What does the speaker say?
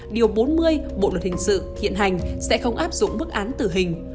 điều bốn mươi bộ luật hình sự hiện hành sẽ không áp dụng bức án tử hình